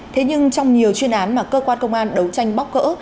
thế nhưng trong nhiều chuyên án mà cơ quan công an đấu tranh bóc gỡ